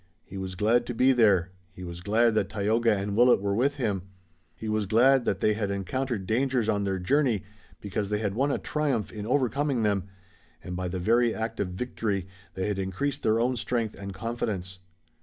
He was glad to be there. He was glad that Tayoga and Willet were with him. He was glad that they had encountered dangers on their journey because they had won a triumph in overcoming them, and by the very act of victory they had increased their own strength and confidence.